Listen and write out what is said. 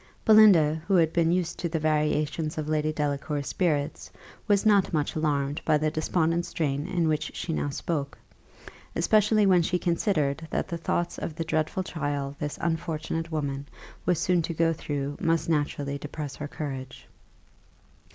Belinda, who had been used to the variations of Lady Delacour's spirits, was not much alarmed by the despondent strain in which she now spoke, especially when she considered that the thoughts of the dreadful trial this unfortunate woman was soon to go through must naturally depress her courage.